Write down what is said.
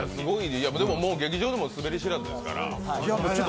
でも劇場でもスベり知らずですから。